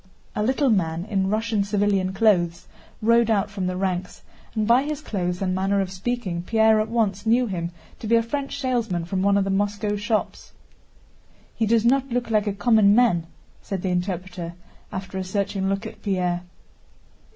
A little man in Russian civilian clothes rode out from the ranks, and by his clothes and manner of speaking Pierre at once knew him to be a French salesman from one of the Moscow shops. "He does not look like a common man," said the interpreter, after a searching look at Pierre.